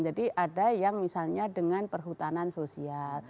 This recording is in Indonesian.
jadi ada yang misalnya dengan perhutanan sosial